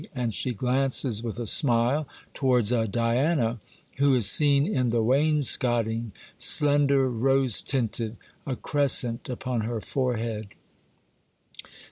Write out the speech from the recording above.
and she glances with a smile towards a Diana who is seen in the wainscoting, slender, rose tinted, a crescent upon her forehead.